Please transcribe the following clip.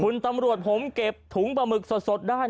คุณตำรวจผมเก็บถุงปลาหมึกสดได้